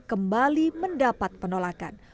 kembali mendapat penolakan